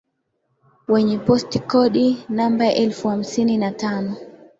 wenye postikodi namba elfu hamsini na tano